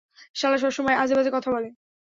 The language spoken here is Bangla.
শালা সব সময় আজেবাজে কথা বলে!